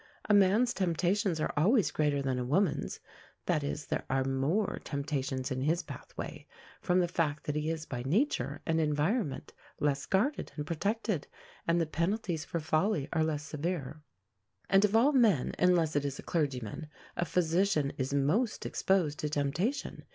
A man's temptations are always greater than a woman's. That is, there are more temptations in his pathway, from the fact that he is by nature and environment less guarded and protected, and the penalties for folly are less severe. And of all men, unless it is a clergyman, a physician is most exposed to temptation.